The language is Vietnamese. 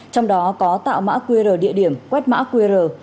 trong đó có tạo mã qr địa điểm quét mã qr